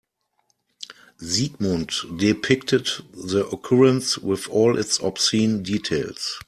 Sigmund depicted the occurrence with all its obscene details.